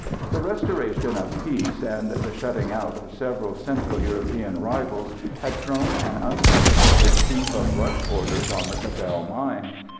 The restoration of peace and the shutting out of several Central European rivals had thrown an unprecedented sheaf of rush orders on the Cabell mine.